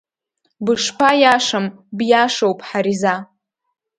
Бышԥаиашам, биашоуп, Ҳариза…